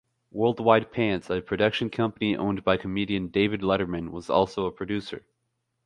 Worldwide Pants, a production company owned by comedian David Letterman, was also a producer.